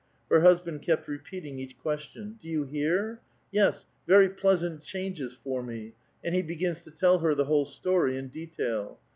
Her husband kept repeating each question, ''Do you hear?" — "Yes, very pleasant changes for me" — and ^e begins to tell her the whole story in detail.